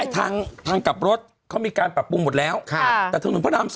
ทางทางกลับรถเขามีการปรับปรุงหมดแล้วแต่ถนนพระราม๒